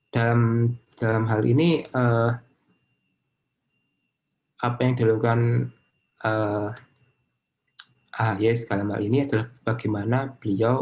dan dalam hal ini apa yang dilakukan ahy dalam hal ini adalah bagaimana beliau